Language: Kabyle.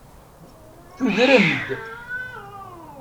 Tudrem-d.